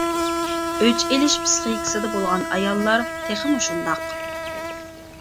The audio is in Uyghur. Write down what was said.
ئۆچ ئېلىش پىسخىكىسىدا بولغان ئاياللار تېخىمۇ شۇنداق.